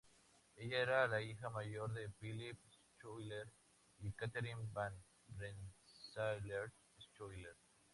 Ella era la hija mayor de Philip Schuyler y Catherine Van Rensselaer Schuyler.